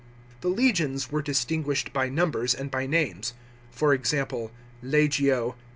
The legions were distinguished by numbers and by names ; for example, legio x.